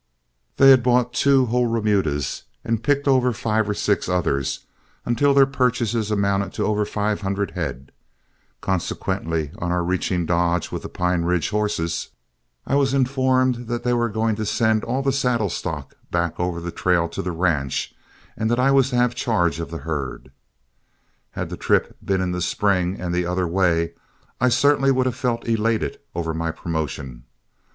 They had bought two whole remudas, and picked over five or six others until their purchases amounted to over five hundred head. Consequently on our reaching Dodge with the Pine Ridge horses, I was informed that they were going to send all the saddle stock back over the trail to the ranch and that I was to have charge of the herd. Had the trip been in the spring and the other way, I certainly would have felt elated over my promotion.